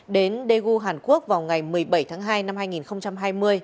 đến daegu hàn quốc vào ngày một mươi bảy tháng hai năm hai nghìn hai mươi